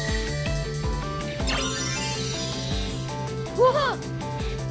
うわっ！